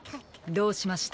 どうしました？